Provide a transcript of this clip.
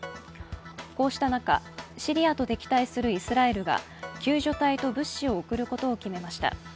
こうした中、シリアと敵対するイスラエルが救助隊と物資を送ることを決めました。